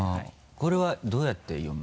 これはどうやって読む？